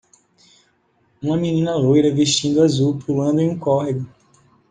Uma menina loira vestindo azul pulando em um córrego